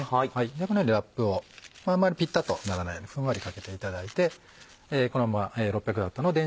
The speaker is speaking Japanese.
このようにラップをあんまりぴったりとならないようにふんわりかけていただいて。